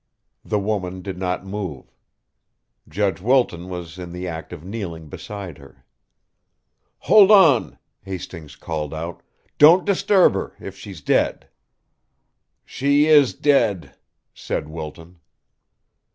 The woman did not move. Judge Wilton was in the act of kneeling beside her. "Hold on!" Hastings called out. "Don't disturb her if she's dead." "She is dead!" said Wilton.